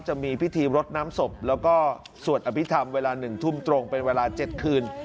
จะมีพิธีรดน้ำศพแล้วก็สวดอภิษฐรรมเวลา๑ทุ่มตรงเป็นเวลา๗คืน